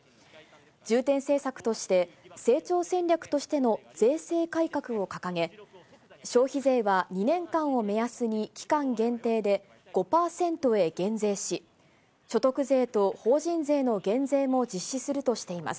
重点政策として、成長戦略としての税制改革を掲げ、消費税は２年間を目安に期間限定で５％へ減税し、所得税と法人税の減税も実施するとしています。